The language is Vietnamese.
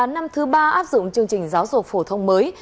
năm thứ ba áp dụng chương trình giáo dục phổ thông mới